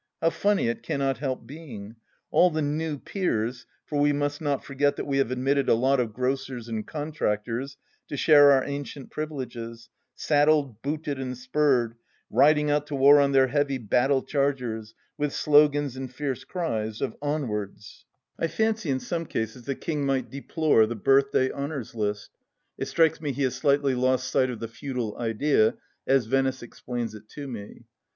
How funny it cannot help being ! All the new peers — ^for we must not forget that we have admitted a lot of grocers and contractors to share our ancient privileges — saddled, booted, and spurred, riding out to war on their heavy battle chargers, with slogans and fierce cries of " Onwards 1 " I fancy in some cases the King might deplore the Birthday Honours List. It strikes me he has slightly lost sight of the feudal idea, as Venice explains it to me